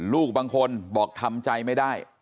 ลูกบางคนบอกทำใจไม่ได้